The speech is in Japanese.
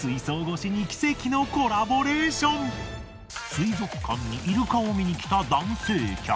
水族館にイルカを観に来た男性客。